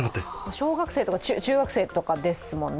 小学生とか中学生とかですもんね。